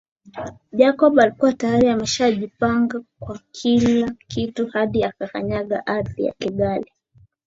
Jacob alikua tayari ameshajipanga kwa kila kitu hadi anakanyaga ardhi ya Kigali